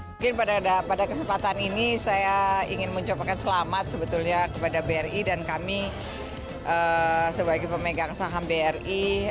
mungkin pada kesempatan ini saya ingin mengucapkan selamat sebetulnya kepada bri dan kami sebagai pemegang saham bri